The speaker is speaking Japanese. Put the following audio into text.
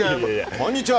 こんにちは！